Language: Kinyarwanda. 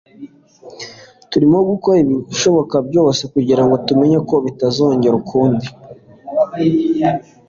Turimo gukora ibishoboka byose kugirango tumenye ko bitazongera ukundi.